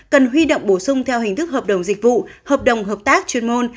cần huy động bổ sung theo hình thức hợp đồng dịch vụ hợp đồng hợp tác chuyên môn